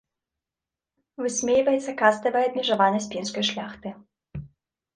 Высмейваецца каставая абмежаванасць пінскай шляхты.